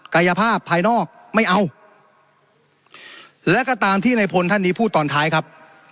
กายภาพภายนอกไม่เอาและก็ตามที่ในพลท่านนี้พูดตอนท้ายครับ